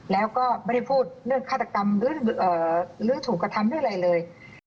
แล้วก็ไม่ได้พูดเรื่องฆาตกรรมหรือถูกกระทำด้วยอะไรเลย